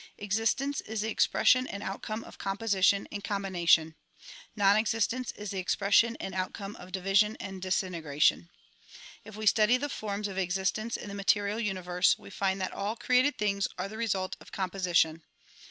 Existence is the expression and outcome of composition and combination. Non existence is the ex pression and outcome of division and disintegration. If we study the forms of existence in the material universe, we find that ail created things are the result of composition.